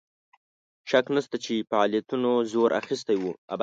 شک نسته چې فعالیتونو زور اخیستی وو.